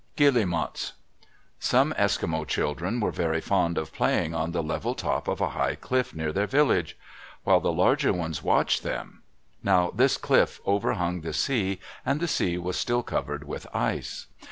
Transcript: Guillemots.—Some Eskimo children were very fond of playing on the level top of a high cliff near their village, while the larger ones watched them. Now this cliff overhung the sea and the sea was still covered with ice.